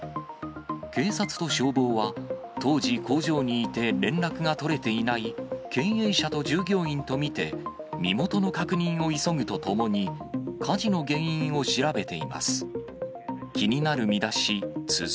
警察と消防は、当時、工場にいて連絡が取れていない経営者と従業員と見て、身元の確認を急ぐとともに、火事の原因を調べています。